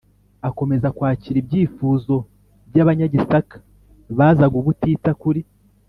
akomeza kwakira ibyifuzo by Abanyagisaka bazaga ubutitsa kuri